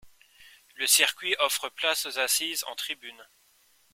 Le circuit offre places assises en tribunes.